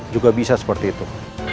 juga bisa seperti itu